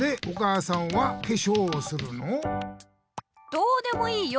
どうでもいいよ！